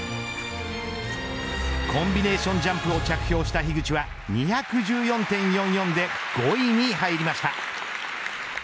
コンビネーションジャンプを着氷した樋口は２１４．４４で５位に入りました。